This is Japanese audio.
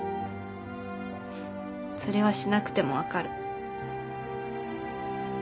ふふっそれはしなくてもわかる。